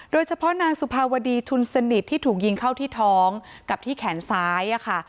โดยเฉพาะนางสุภาวดีชุนสนิทที่ถูกยิงเข้าที่ท้องกับที่แขนซ้ายค่ะ